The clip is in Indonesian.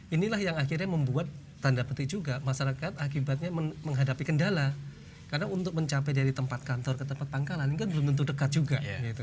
inilah yang akhirnya membuat tanda petik juga masyarakat akibatnya menghadapi kendala karena untuk mencapai dari tempat kantor ke tempat pangkalan ini kan belum tentu dekat juga